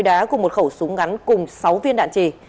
đá cùng một khẩu súng ngắn cùng sáu viên đạn trì